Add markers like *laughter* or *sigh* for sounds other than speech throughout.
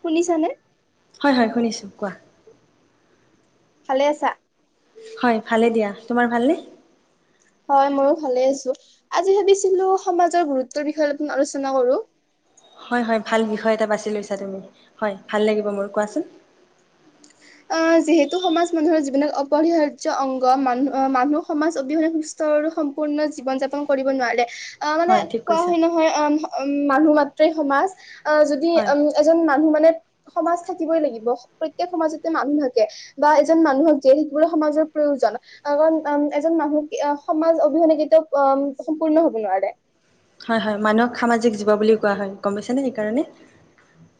শুনিছানে? হয়-হয় শুনিছোঁ কোৱা। ভালে আছা। হয় ভালে দিয়া তোমাৰ ভালনে? হয় ময়ো ভালে আছো আজি ভাবিছিলো সমাজৰ গুৰুত্বৰ বিষয়েপ আলোচনা কৰো। হয় ভাল বিষয় এটা বাছি লৈছা তুমি হয়। ভাল লাগিব মোৰ কোৱা চোন? আহ', যিহেতু সমাজ মানুহৰ জীৱন অপৰিহাৰ্য অংগ মানুহ আহ', মানুহ সমাজ অবিহনে সুস্থ আৰু সম্পূৰ্ণ জীৱন যাপন কৰিব নোৱাৰে। অহ ', মানে হয় ঠিক কোৱা কৈছা হয়। নহয় অহ ', *unintelligible* মানুহ মাত্ৰই সমাজ অহ ', যদি হয় অম ', এজন মানুহ মানে সমাজ থাকিবই লাগিব প্ৰত্যেক সমাজ মানুহাকে বা এজন মানুহক দিয়ে সেইবোৰে সমাজৰ প্ৰয়োজন কাৰণ উম ', এজন মানুহক সমাজ অবিহনে কেতিয়াও উ সম্পূৰ্ণ হব নোৱাৰে। হয়-হয় মানুহক সামাজিক জীৱ বুলিও কোৱা হয় গম পাইছেনে? সেইকাৰণে,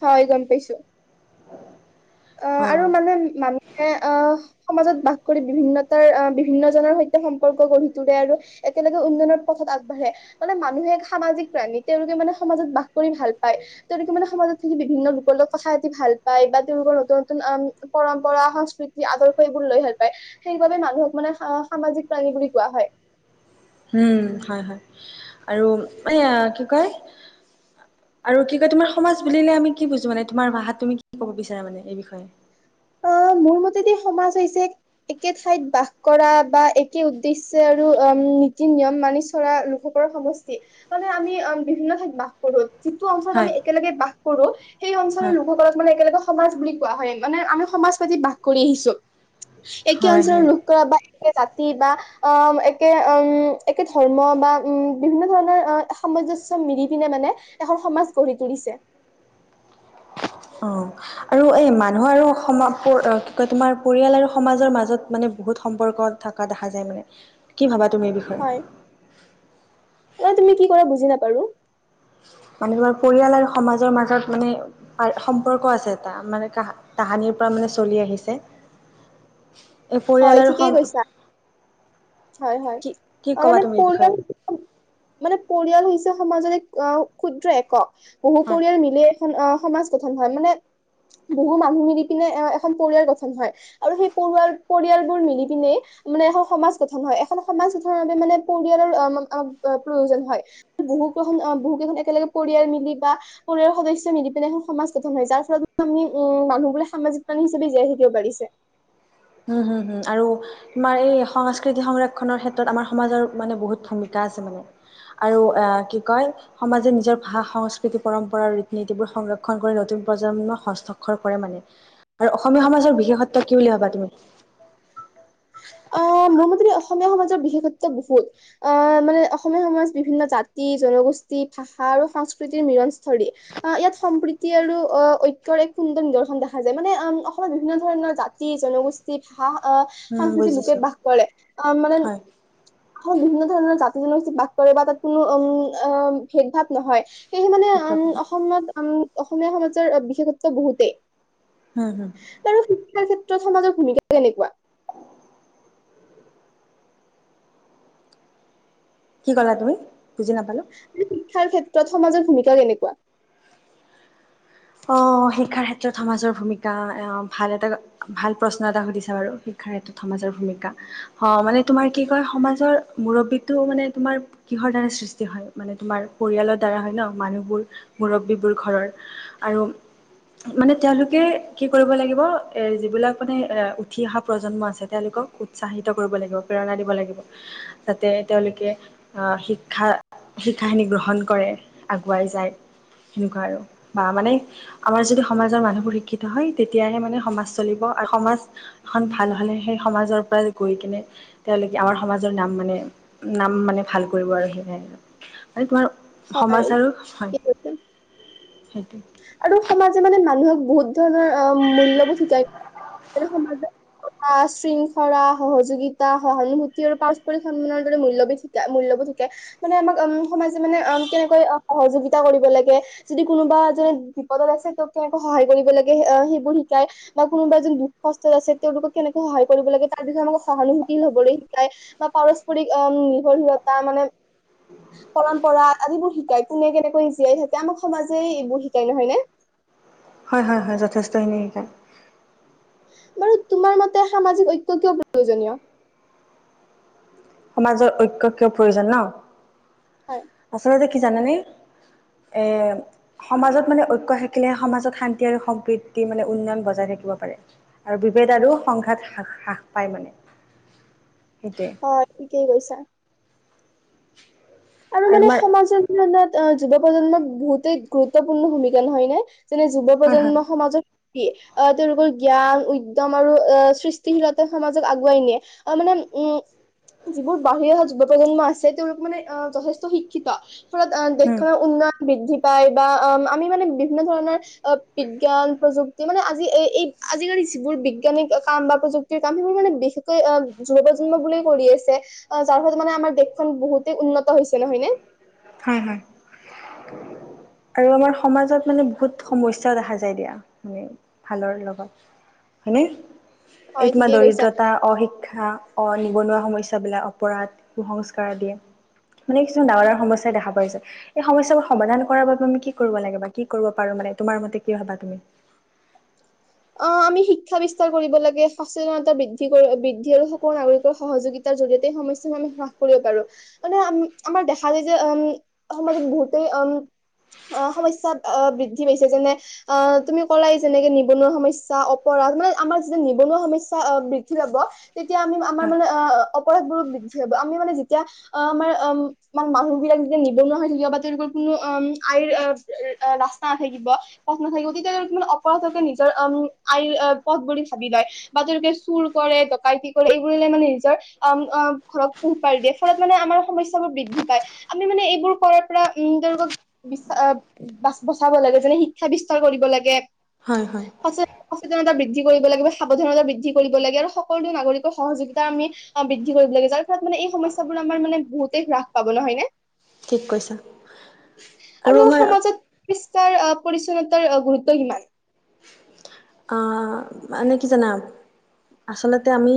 হয় গম পাইছোঁ। অহ অ ', আৰু মানে মানুহে অহ ', সমাজত বাস কৰি বিভিন্নতাৰ আহ', বিভিন্ন জনৰ সৈতে সম্পৰ্ক গঢ়ি তোলে আৰু একেলগে উন্নয়নৰ পথত আগবাঢ়ে মানে মানুহে এক সামাজিক প্ৰাণী তেওঁলোকে মানে সমাজত বাস কৰি ভাল পায়। তেওঁলোকে মানে সমাজত থাকি বিভিন্ন লোকৰ লগ কথা পাতি ভাল পায় বা ৰ নতুন নতুনম পৰম্পৰা সংস্কৃতি আদৰ্শ এইবোৰ লৈ ভাল পায়। সেইবাবে মানুহক মানে আঁহ ', সামাজিক প্ৰাণী বুলি কোৱা হয়। উম', হয়-হয় আৰু মানে কি কয় আৰু কি কয় তোমাৰ সমাজ বুলিলে আমি কি বুজো? মানে তোমাৰ ভাষাত তুমি কি কব বিচাৰা মানে এই বিষয়ে অহ ', মোৰ মতেদি সমাজ হৈছে, একে ঠাইত বাস কৰা বা একে উদ্দেশ্যে আৰু নীতি নিয়ম মানি চৰা লোকসকলৰ সমষ্টি মানে আমি বিভিন্ন ঠাইত বাস কৰোঁ। যিটো অঞ্চলত হয় আমি একেলগে বাস কৰো সেই অঞ্চলৰ হয় লোকসকলক মানে একেলগে সমাজ বুলি কোৱা হয়। মানে আমি সমাজ পাতি বাস কৰি আহিছো। একে হয় অঞ্চলৰ হয় লোক কৰা বা একে জাতি বা আহ একে উম একে ধৰ্ম বা উম বিভিন্ন ধৰণৰ সামঞ্জস্য মিলি পিনে মানে এখন সমাজ গঢ়ি তুলিছে। অ আৰু এই মানুহ আৰু সম কি কয় তোমাৰ পৰিয়াল আৰু সমাজৰ মাজত মানে বহুত সম্পৰ্ক থকা দেখা যায় মানে কি ভাবা তুমি বিষয়ে অ তুমি কি কৰা বুজি নাপাৰো। মানে তোমাৰ পৰিয়াল আৰু সমাজৰ মাজত মানে সম্পৰ্ক আছে। এটা মানে কাহ তাহানিৰ পৰা মানে চলি আহিছে। এই পৰিয়ালৰ সম হয়-হয় কি কি তা ক'বা মানে তুমি এই বিষয়ে পৰিয়াল মানে পৰিয়াল হৈছ সমাজলৈ অ ক্ষুদ্ৰ একক বহু হয় পৰিয়াল মিলিয়ে এখন অ সমাজ গঠন হয়। মানে বহু মানুহ মিলি কিনে এ এখন পৰিয়াল গঠন হয়। আৰু সেই পৰোৱাল পৰিয়ালবোৰ মিলি পিনে মানে এখন সমাজ গঠন হয়। এখন সমাজ গঠনৰ বাবে মানে পৰিয়ালৰ প্ৰয়োজন হয়। বহু কেইখন বহু কেইখন একেলগে পৰিয়াল মিলি বা পৰিয়ালৰ সদস্য মিলি পিনে এখন সমাজ গঠন হয়। যাৰ ফলত আমি উম মানুহ বোলে সামাজিক প্ৰাণী হিচাপে জীয়াই থাকিব পাৰিছে। উম হম-হম আৰু তোমাৰ এই সংস্কৃতি সংৰক্ষনৰ ক্ষেত্ৰত আমাৰ সমাজৰ মানে বহুত ভূমিকা আছে মানে আৰু আহ কি কয় সমাজে নিজৰ ভাষা সংস্কৃতি পৰম্পৰা ৰীতি নীতিবোৰ সংৰক্ষণ কৰি নতুন প্ৰজন্মক হস্তাক্ষৰ কৰে মানে। আৰু অসমীয়া সমাজৰ বিশেষত্ব কি বুলি ভাবা তুমি? অ মোৰ মতে অস অসমীয়া সমাজৰ বিশেষত্ব বহুলত আহ মানে অসমীয়া সমাজ বিভিন্ন জাতি জনগোষ্ঠী ভাষা আৰু সংস্কৃতিৰ মিলনস্থলী আহ ইয়াত সম্প্ৰীতি আৰু আহ ঐক্যৰ এক সুন্দৰ নিদৰ্শন দেখা যায় মানে অসমত বিভিন্ন ধৰণৰ জাতি জনগোষ্ঠী ভাষা আহ উম সংস্কৃতিৰ লোকে বুজিছো বাস কৰে আহ মানে হয়। বিভিন্ন ধৰণৰ জাত জনজাতি বাস কৰে বা তাত কোনো উম আ ভেদ ভাৱ নহয় সেয়ে মানে আম অসমত আম অসমীয়া সমাজৰ বিশেষত্ব বহুতেই হম হম আৰু শিক্ষাৰ ক্ষেত্ৰত সমাজৰ ভূমিকা কেনেকুৱা কি ক'লা তুমি বুজি নাপালো শিক্ষাৰ ক্ষেত্ৰত সমাজৰ ভূমিকা কেনেকুৱা অ শিক্ষাৰ ক্ষেত্ৰত সমাজৰ ভূমিকা ভাল এটা ভাল প্ৰশ্ন এটা সুধিছা বাৰু শিক্ষাৰ ক্ষেত্ৰত সমাজৰ ভূমিকা অ মানে তোমাৰ কি কয় সমাজৰ মুৰব্বীটো মানে তোমাৰ কিহৰ দ্বাৰা সৃষ্টি হয় মানে তোমাৰ পৰিয়ালৰ দ্বাৰা হয় ন মানুহবোৰ মুৰব্বীবোৰ ঘৰৰ আৰু মানে তেওঁলোকে কি কৰিব লাগিব যিবিলাক মানে উঠি অহা প্ৰজন্ম আছে তেওঁলোকক উৎসাহিত কৰিব লাগিব প্ৰেৰণা দিব লাগিব যাতে তেওঁলোকে শিক্ষা শিক্ষাখিনি গ্ৰহণ কৰে আগুৱাই যায় সেনেকুৱা আৰু বা মানে আমাৰ যদি সমাজৰ মানুহবোৰ শিক্ষ শিক্ষিত হয় তেতিয়াহে মানে সমাজ চলিব আৰু সমাজ এখন ভাল হ'লে সেই সমাজৰ পৰা গৈ কিনে তেওঁলোকে আমাৰ সমাজৰ নাম মানে নাম মানে ভাল কৰিব আৰু সেয়াই তোমাৰ সমাজ হয় আৰু হয় সেইটোৱে আৰু সমাজে মানে মানুহক বহুত ধৰণৰ অ মূল্যবোধ শিকায় সমাজ শৃংখলা সহযোগিতা সহানুভূতি আৰু পাৰস্পৰিক সন্মানৰ দৰে মূল্যবিধ শিকাই মূল্যবোধ শিকাই মানে আমাক উ সমাজে মানে অ কেনেকৈ সহযোগিতা কৰিব লাগে যদি কোনোবা যে বিপদত আছে ত কেনকৈ সহায় কৰিব লাগে এ সেইবোৰ শিকায় বা কোনোবা এজন দুখ কষ্টত আছে তেওঁওলোকক কেনেকুৱা সহায় কৰিব লাগে তাৰ বিষয়ে আমাক সহানুভুতি হবলে শিকায় বা পাৰস্পৰিক আ ম নিৰ্ভৰশীতা মানে পৰম্পৰা আদিবোৰ শিকায় কোনে কেনেকৈ জীয়াই থাকে আমাক সমাজে এইবোৰ শিক তে নহয় ন হয় হয় হয় যথেষ্টখিনি শিকায় বাৰু তোমাৰ মতে সামাজিক ঐক্য কিয় প্ৰয়োজনীয় সমাজৰ ঐক্য কিয় প্ৰয়োজন হয় ন আচলতে কি কি জানানে এই সমাজত মানে ঐক্য থাকিলে সমাজত শান্তি আৰু সম্প্ৰীতি মানে উন্নয়ন বজাই থাকিব পাৰে আৰু বিভেদ আৰু সংঘাত হ্ৰাস পায় মানে সেইটোৱে অহ থিকে কৈছা *unintelligible* আৰু মানে সমাজৰ মনত অ যুৱ প্ৰজন্মক বহুতেই গুৰুত্বপূৰ্ণ ভূমিকা নহয় নে যেনে যুৱ হয় হয় প্ৰজন্ম সমাজত আহ তেওঁলোকৰ জ্ঞান উদ্যম আৰু আহ সৃষ্টিশীলতা সমাজক আগুৱাই নিয়ে আহ মানে উম যিবোৰ বাঢ়িৰ অহা যুৱ প্ৰজন্ম আছে তেওঁলোক মানে অহ যথেষ্ট শিক্ষিত উম দেশৰ উন্নয়ন বৃদ্ধি পাই বা আ আমি মানে বিভিন্ন ধৰণৰ আ বিজ্ঞান প্ৰযুক্তি মানে আজি এই আজিকালি যিবোৰ বিজ্ঞানিক কাম বা প্ৰযুক্তিৰ কাম সেইবোৰ মানে বিশেষকৈ অহ যুৱ প্ৰজন্ম বোৰেই কৰি আছে যাৰ ফলত মানে আমাৰ দেশখন বহুত উন্নত হৈছে নহয় নে হয় হয় আৰু আমাৰ আৰু সমাজত মানে বহুত সমস্যাও দেখা যায় দিয়া, মানে ভালৰ লগত হয়নে এই হয় তোমাৰ ঠিকেই কৈছা দৰিদ্ৰতা, অশিক্ষা অ নিবনুৱা সমস্যাবিলাক অপৰাধ, কুসংস্কাৰ আদিয়ে মানে কিছুমান ডাঙৰ ডাঙৰ সমস্যা দেখা পাইছে এই সমস্যাবোৰ সমাধান কৰাৰ বাবে আমি কি কৰিব লাগে বা কি কৰিব পাৰো মানে তোমাৰ মতে কি ভবা তুমি? অহ আমি শিক্ষা বিস্তাৰ কৰিব লাগে সচেতনতা বৃদ্ধি বৃদ্ধি আৰু সকলো নাগৰিকৰ সহযোগিতাৰ জৰিয়তে সমস্যা আমি হ্ৰাস কৰিব পাৰো। মানে আম আমাৰ দেখা যায় যে আম সমাজত বহুতে আম সমস্যা বৃদ্ধি পাইছে যেনে আহ তুমি কলাই যেনেকে নিৱ নিবনুৱা সমস্যা, অপৰাধ মানে আমাৰ যেতিয়া নিবনুৱা সমস্যা বৃদ্ধি পাব তেতিয়া আমি আমাৰ হয় মানে অ অপৰাধ বোৰো বৃদ্ধি পাব আমি মানে যেতিয়া আমাৰ মানে মানুহ বিলাক যেতিয়া নিবনুৱা হৈ থাকিব বা তেওঁলোকৰ কোনো আয়ৰ ৰাস্তা নাথাকিব পথ নাথাকিব তেতিয়া তেওঁলোকে মানে অপৰাধকে নিজৰ আয়ৰ পথ বুলি ভাবি লয় বা তেওঁলোকে চুৰ কৰে, ডকাইতি কৰে এইবোৰে মানে নিজৰ ঘৰক পোহপাৰ দিয়ে ফলত মানে আমাৰ সমস্যা বোৰ বৃদ্ধি পায় আমি মানে এইবোৰ কৰাৰ পৰা উম তেওঁলোকক বি বচাব লাগে যেনে শিক্ষা বিস্তাৰ কৰিব লাগে হয় হয় সচে সচেতনতা বৃদ্ধি কৰিব লাগে বা সাৱধানতা বৃদ্ধি কৰিব লাগে আৰু সকলো নাগৰিকৰ সহযোগিতা আমি বৃদ্ধি কৰিব লাগে যাৰ ফলত মানে এই সমস্যাবোৰ আমাৰ মানে বহুতেই হ্ৰাস পাব নহয় নে? ঠিক কৈছা আৰু আমাৰ তাৰ পৰিচ্ছন্নতাৰ গুৰুত্ব কিমান? আহ মানে কি জানা আচলতে আমি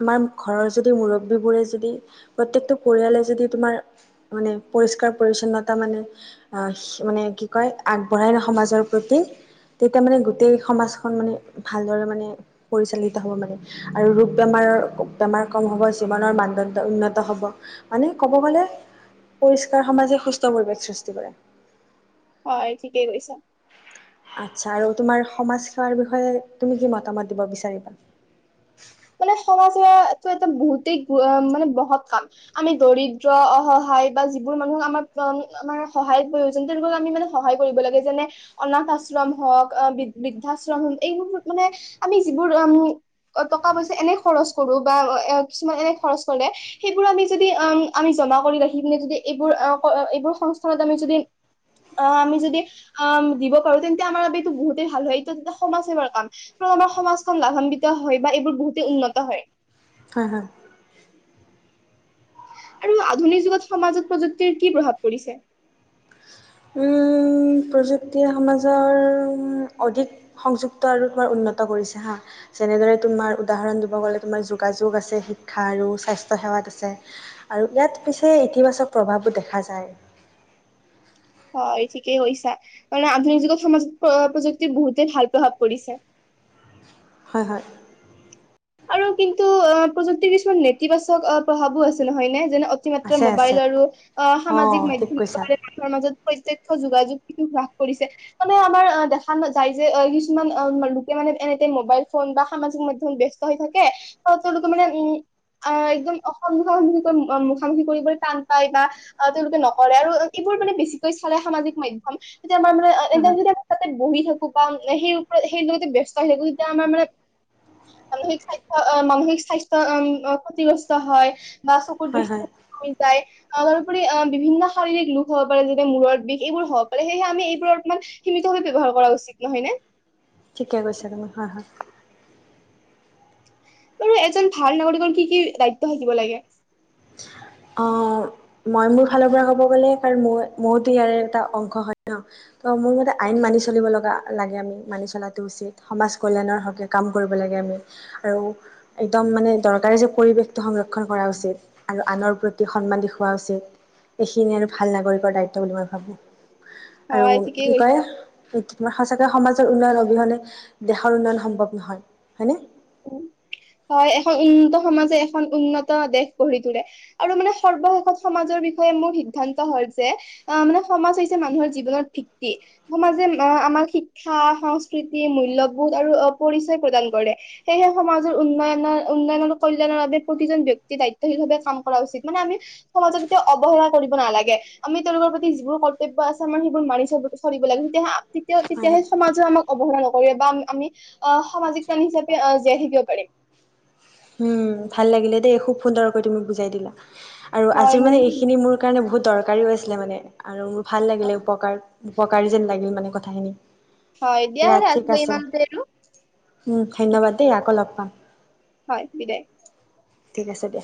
আমাৰ ঘৰৰ যদি মুৰব্বীবোৰে যদি প্ৰত্যেকটো পৰিয়ালে যদি তোমাৰ মানে পৰিষ্কাৰ পৰিচ্ছন্নতা মানে মানে কি কয় আগবঢ়াই নহ সমাজৰ প্ৰতি তেতিয়া মানে গোটেই সমাজখন মানে ভালদৰে মানে পৰিচালিত হ'ব মানে আৰু ৰোগ বেমাৰৰ বেমাৰ কম হ'ব জীৱনৰ মানদণ্ড উন্নত হ'ব মানে ক'ব গ'লে পৰিষ্কাৰ সমাজে সুস্থ পৰিৱেশ সৃষ্টি কৰে। হয় ঠিকেই কৈছা। আচ্ছা আৰু তোমাৰ সমাজ সেৱাৰ বিষয়ে তুমি কি মতামত দিব বিচাৰিবা? মানে সমাজ সেৱাটো এটা বহুতেই মানে মহৎ কাম আমি দৰিদ্ৰ, অসহায় বা যিবোৰ মানুহক আমাৰ আমাৰ সহায়ত প্ৰয়োজন তেওঁলোকক আমি মানে সহায় কৰিব লাগে যেনে অনাথ আশ্ৰম হওক বৃদ্ধাশ্ৰম হওক এইবোৰ মানে আমি যিবোৰ টকা পইচা এনে খৰচ কৰো বা এ কিছুমান এনে খৰচ কৰে সেইবোৰ আমি যদি আমি জমা কৰি ৰাখি পিনে যদি এইবোৰ এইবোৰ সংস্থানত আমি যদি অ আমি যদি আ দিব পাৰো তেন্তে আমাৰ বাবে এইটো বহুতেই ভাল হয় এইটো এটা সমাজ সেৱাৰ কাম কাৰ আমাৰ সমাজখন লাভান্বিত হয়। বা এইবোৰ বহুতেই উন্নত হয়। হয় হয়। আৰু আধুনিক যুগত সমাজত প্ৰযুক্তিৰ কি প্ৰভাৱ পৰিছে? প্ৰযুক্তিয়ে সমাজৰ অধিক সংযুক্ত আৰু তোমাৰ উন্নত কৰিছে হা যেনেদৰে তোমাৰ উদাহৰণ দিব গ'লে তোমাৰ যোগাযোগ আছে, শিক্ষা আৰু স্বাস্থ্য সেৱাত আছে আৰু ইয়াত পিছে ইতিবাচক প্ৰভাৱো দেখা যায়। হয় ঠিকেই কৈছা কাৰণ আধুনিক যুগত সমাজ প্ৰযুক্তিৰ বহুতে ভাল প্ৰভাৱ পৰিছে। হয় হয়। আৰু কিন্তু অহ প্ৰযুক্তিৰ কিছুমান নেতিবাচক প্ৰভাৱো আছে নহয় নে যেনে অতিমাত্ৰা আছে আছে মোবাইল আৰু অ সামাজিক ঠিক মাধ্যমে কৈছা মানুহৰ মাজত প্ৰত্যক্ষ যোগাযোগ হ্ৰাস কৰিছে মানে আমাৰ আহ দেখা নাযায় যে কিছুমান অহ লোকে মানে এনিটাইম মোবাইল ফোন বা সামাজিক মাধ্যম ব্যস্ত হৈ থাকে তেওঁলোকে মানে উম একদম সন্মুখা সন্মুখৈ মুখামুখি কৰিবলৈ টান পায় বা তেওঁলোকে নকৰে আৰু এইবোৰ মানে বেছিকৈ চলে সামাজিক মাধ্যম তেতিয়া মই মানে এনি হয় টাইম হয় যেতিয়া বহি থাকো বা সেই ওপৰত সেই লগতে ব্যস্ত হৈ থাকো তেতিয়া আমাৰ মানে মানসিক স্বাস্থ্য মানসিক স্বাস্থ্য ক্ষতিগ্ৰস্ত হয়। হয় হয় *unintelligible* যায়, তাৰোপৰি আ, বিভিন্ন শাৰীৰিক লোক হ'ব পাৰে যেনে মূৰৰ বিষ এইবোৰ হ'ব পাৰে সেয়েহে আমি এইবোৰ অকমান সীমিতভাৱে ব্যৱহাৰ কৰা উচিত নহয় নে? ঠিকে কৈছা তুমি হয়, হয়। বাৰু এজন ভাল নাগৰিকৰ কি, কি দায়িত্ব থাকিব লাগে? অ' মই মোৰ ফালৰ পৰা ক'ব গ'লে কাৰণ ম, মইতো ইয়াৰে এটা অংশ হয় ন, ত' মোৰ মতে আইন মানি চলিব লগা, লাগে আমি মানি চলাটো উচিত, সমাজ কল্যাণৰ হকে কাম কৰিব লাগে আমি আৰু একদম মানে দৰকাৰ যে, পৰিৱেশটো সংৰক্ষণ কৰা উচিত আৰু আনৰ প্ৰতি সন্মান দি হোৱা উচিত এইখিনি আৰু ভাল নাগৰিকৰ দায়িত্ব বুলি মই ভাবোঁ। হয় আৰু ঠিকেই কি কয় কৈছা। আমাৰ সঁচাকৈ সমাজৰ উন্নয়ন অবিহনে দেশৰ উন্নয়ন সম্ভৱ নহয়, হয়নে? হয়, এখন উন্নত সমাজে এখন উন্নত দেশ গঢ়ি তোলে আৰু মানে সৰ্বশেষত সমাজৰ বিষয়ে মোৰ সিদ্ধান্ত হ'ল যে, আ, মানে সমাজ হৈছে মানুহৰ জীৱনত ভিত্তি সমাজে আ, আমাক শিক্ষা, সংস্কৃতি, মূল্যবোধ আৰু পৰিচয় প্ৰদান কৰে। সেয়েহে সমাজৰ উন্নয়নৰ, উন্নয়ন আৰু কল্যাণৰ বাবে প্ৰতিজন ব্যক্তি দায়িত্বশীলভাৱে কাম কৰা উচিত মানে আমি সমাজক এতিয়া অৱহেলা কৰিব নালাগে আমি তেওঁলোকৰ প্ৰতি যিবোৰ কৰ্তব্য আছে আমাৰ সেইবোৰ মানি চ-চলিব লাগে তেতিয়াহে আ হয় তেতি-তেতিয়াহে হয়। সমাজে আমাক অৱহেলা নকৰে বা আমি আ, সামাজিক প্ৰাণী হিচাপ আ, জীয়াই থাকিব পাৰিম। হম, ভাল লাগিলে দেই খুব সুন্দৰকৈ তুমি বুজাই দিলা। আৰু হয় আজিৰ মানে মোৰো ভাল এইখিনি মোৰ কাৰণে বহুত দৰ কাৰিয়ো আছিলে মানে আৰু ভাল লাগিলে লাগিল। উপকাৰ উপকাৰী যেন লাগিল মানে কথাখিনি হয় দিয়া হ'লে ঠিক আজিলৈ আছে ইমানতে এৰো উম, ধন্যবাদ দেই আকৌ লগ পাম। হয় বি দে ঠিক আছে দিয়া।